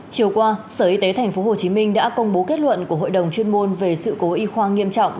chiều qua sở y tế tp hcm đã công bố kết luận của hội đồng chuyên môn về sự cố y khoa nghiêm trọng